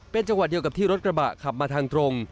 เป็นจังหวะเดียวกับที่รถกระบะขับมาทางตรง